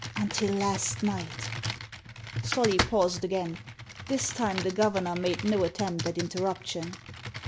Until last night" Solly paused again. This time the governor made no attempt at interruption.